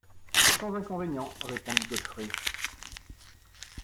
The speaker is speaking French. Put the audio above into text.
Sans inconvénient, répondit Godfrey.